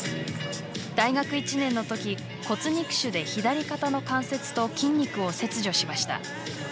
大学１年の時骨肉腫で左肩の関節と筋肉を切除しました。